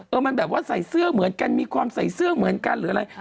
มันแบบว่าใส่เสื้อเหมือนกันมีความใส่เสื้อเหมือนกันหรืออะไร